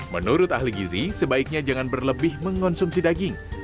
menurut ahli gizi sebaiknya jangan berlebih mengonsumsi daging